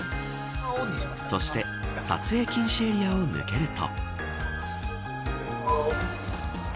そして撮影禁止エリアを抜けると。